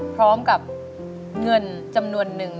พร้อมกับเงินจำนวนนึง